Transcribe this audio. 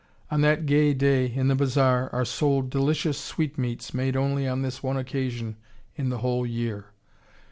On that gay day, in the bazaar, are sold delicious sweetmeats made only on this one occasion in the whole year.